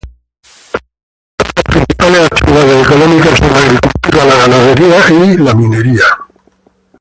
Las principales actividades económicas son la agricultura, la ganadería y la minería.